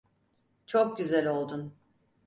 Çok güzel oldun.